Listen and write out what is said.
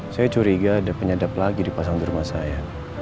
saya curiga ada penyadap lagi dipasang di rumah saya